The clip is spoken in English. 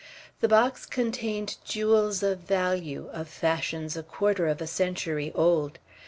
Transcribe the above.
The box contained jewels of value, of fashions a quarter of a century old.